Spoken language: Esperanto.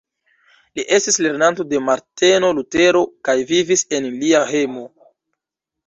Li estis lernanto de Marteno Lutero kaj vivis en lia hejmo.